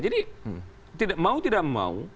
jadi mau tidak mau